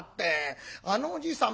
あのおじいさん